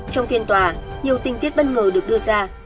trong phiên tòa nhiều tình tiết bất ngờ được đưa ra